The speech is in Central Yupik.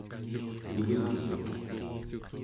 ulugtuq